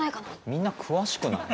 みんな詳しくない？